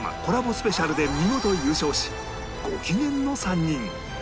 スペシャルで見事優勝しご機嫌の３人